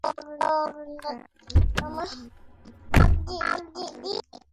তাই আপনার থেকে অনুমতি নিতে হবে বলে আমি মনে করিনা।